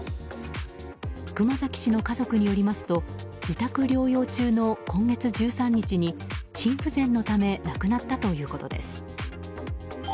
熊崎氏の家族によりますと自宅療養中の今月１３日に心不全のため亡くなったということです。